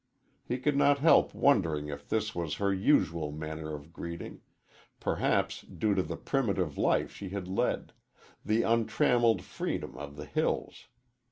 He could not help wondering if this was her usual manner of greeting perhaps due to the primitive life she had led the untrammeled freedom of the hills.